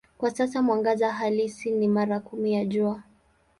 Kwa sasa mwangaza halisi ni mara kumi ya Jua.